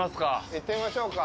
行ってみましょうか。